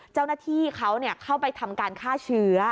เจ้าหน้าที่เขาเข้าไปทำการฆ่าเชื้อ